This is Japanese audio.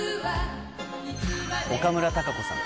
岡村孝子さん。